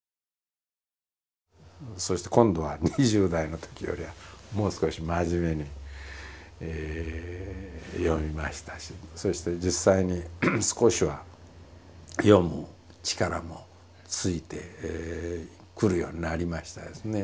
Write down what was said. そして今度は２０代のときよりはもう少し真面目に読みましたしそして実際に少しは読む力もついてくるようになりましたですね。